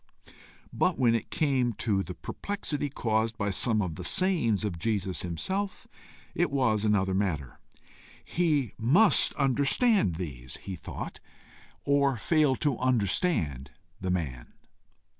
But when it came to the perplexity caused by some of the sayings of Jesus himself, it was another matter. He MUST understand these, he thought, or fail to understand the man.